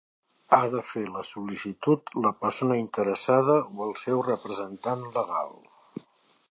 Ha de fer la sol·licitud la persona interessada o el seu representant legal.